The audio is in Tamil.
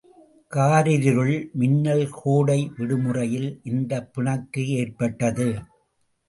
காரிருளில் மின்னல் கோடை விடுமுறையில் இந்தப் பிணக்கு ஏற்பட்டது.